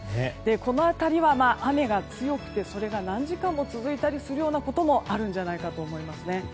この辺りは雨が強くてそれが何時間も続くようなことがあるんじゃないかと思います。